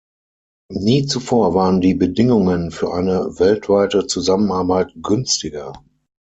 Nie zuvor waren die Bedingungen für eine weltweite Zusammenarbeit günstiger.